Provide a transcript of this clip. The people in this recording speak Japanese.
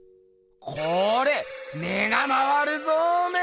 これ目が回るぞおめえ！